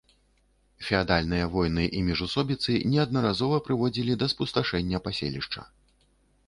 Феадальныя вайны і міжусобіцы неаднаразова прыводзілі да спусташэння паселішча.